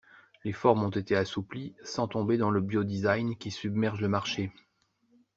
Les formes ont été assouplies, sans tomber dans le bio-design qui submerge le marché.